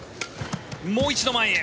もう一度前へ。